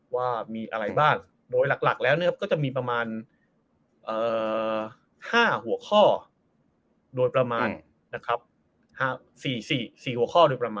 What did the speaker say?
ว่ามีอะไรบ้างโดยหลักแล้วก็จะมีประมาณ๕หัวข้อโดยประมาณ๔หัวข้อ